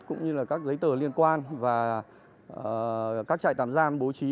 cũng như là các giấy tờ liên quan và các trại tạm giam bố trí